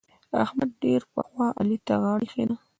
احمد ډېر پخوا علي ته غاړه اېښې ده.